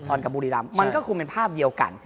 กับบุรีรำมันก็คงเป็นภาพเดียวกัน